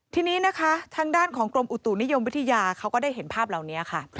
ทีนี้นะคะทางด้านของกรมอุตุนิยมวิทยาเขาก็ได้เห็นภาพเหล่านี้ค่ะ